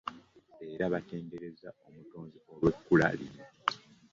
Era batendereza omutonzi olw'ekula lino.